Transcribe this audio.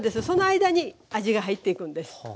その間に味が入っていくんです。